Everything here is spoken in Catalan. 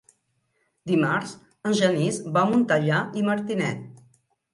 Dimarts en Genís va a Montellà i Martinet.